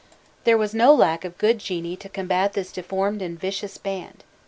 There was no lack of good genii to combat this deformed and vicious band.